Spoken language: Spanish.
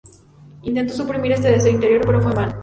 Intentó suprimir este deseo interior, pero fue en vano.